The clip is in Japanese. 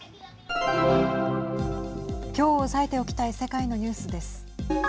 きょう押さえておきたい世界のニュースです。